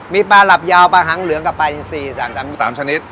มีปลาหลับยาวปลาหังเหลืองกับปลาอิน๔๓ชนิด